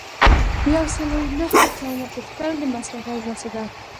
یو سل او نهه اتیایمه پوښتنه د مصرفي اجناسو ده.